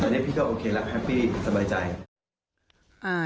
แล้วพี่ก็โอเคแล้วสบายใจ